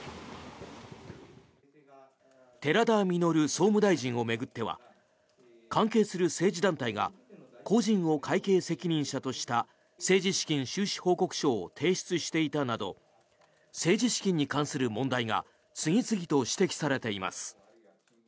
総務大臣を巡っては関係する政治団体が故人を会計責任者とした政治資金収支報告書を提出していたなど政治資金に関する問題が次々と指摘されています。